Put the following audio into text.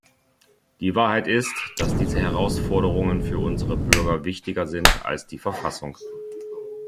Die Wahrheit ist, dass diese Herausforderungen für unsere Bürger wichtiger sind als die Verfassung.